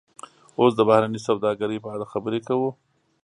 اوس د بهرنۍ سوداګرۍ په اړه خبرې کوو